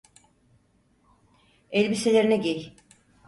Elbiselerini giy.